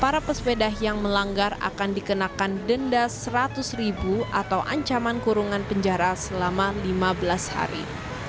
rp seratus atau ancaman kurungan penjara selama lima belas hari